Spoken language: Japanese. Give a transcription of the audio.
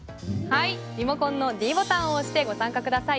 リモコンのｄボタンを押してご参加ください。